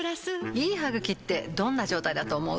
いい歯ぐきってどんな状態だと思う？